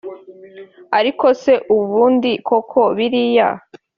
ariko se ubundi koko biriya